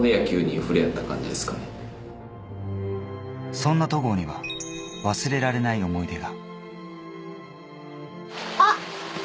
そんな戸郷には、忘れられない思い出が。